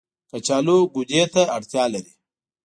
کچالو ګودې ته اړتيا لري